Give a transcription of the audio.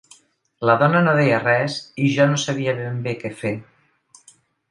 La dona no deia res i jo no sabia ben bé què fer.